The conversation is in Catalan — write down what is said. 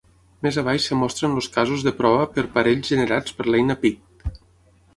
Més abaix es mostren els casos de prova per parells generats per l'eina PICT.